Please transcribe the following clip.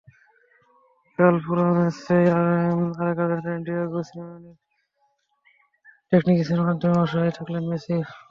কাল পুরো ম্যাচেই আরেক আর্জেন্টাইন ডিয়েগো সিমিওনের ট্যাকটিকসের সামনে অসহায় থাকলেন মেসি।